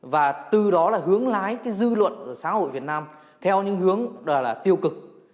và từ đó hướng lái dư luận của xã hội việt nam theo những hướng tiêu cực